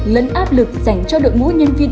lẫn áp lực dành cho đội ngũ nhân viên